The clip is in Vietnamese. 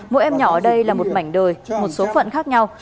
mỗi em nhỏ ở đây là một mảnh đời một số phận khác nhau